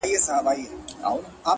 ه زه تر دې کلامه پوري پاته نه سوم؛